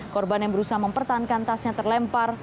korban yang berusaha mempertahankan tasnya terlempar